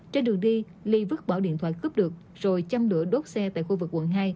trên đường đi lee vứt bỏ điện thoại cướp được rồi chăm đửa đốt xe tại khu vực quận hai